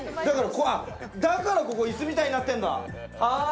だからここ、いすみたいになってんだ。